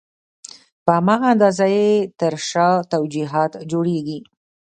په هماغه اندازه یې تر شا توجیهات جوړېږي.